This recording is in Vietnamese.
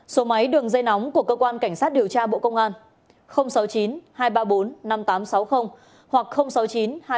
số máy đường dây nóng của cơ quan cảnh sát điều tra bộ công an sáu mươi chín hai trăm ba mươi bốn năm nghìn tám trăm sáu mươi hoặc sáu mươi chín hai trăm ba mươi một hai nghìn sáu trăm bảy